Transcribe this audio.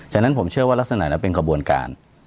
ฉะนั้นผมเชื่อว่ารักษณะนั้นเป็นขบวนการ